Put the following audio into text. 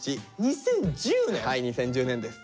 はい２０１０年です。